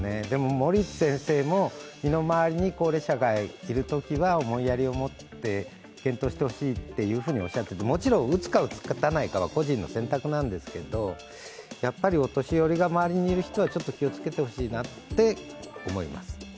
でも森内先生も身の回りに高齢者がいるときは、思いやりを持って検討してほしいっておっしゃってて、もちろん打つか打たないかは個人の選択なんですけど、やっぱりお年寄りが周りにいる人はちょっと気をつけてほしいなって思います。